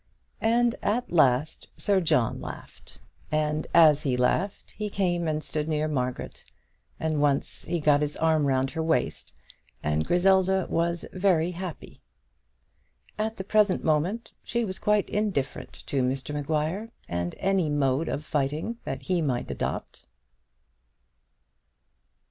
And at last Sir John laughed; and as he laughed he came and stood near Margaret; and once he got his arm round her waist, and Griselda was very happy. At the present moment she was quite indifferent to Mr Maguire and any mode of fighting that he might adopt.